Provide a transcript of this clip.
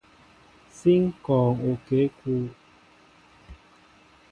Si ŋkɔɔŋ okěkúw.